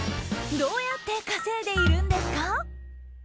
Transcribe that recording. どうやって稼いでいるんですか？